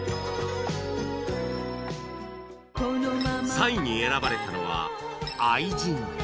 ３位に選ばれたのは『愛人』